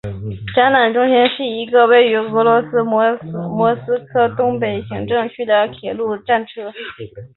展览中心站是一个位于俄罗斯莫斯科东北行政区的铁路车站。